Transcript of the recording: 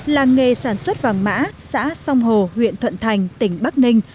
làng nghề sản xuất vàng mã xã sông hồ huyện thuận thành tỉnh bắc ninh